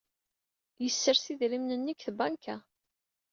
Yessers idrimen-nni deg tbanka.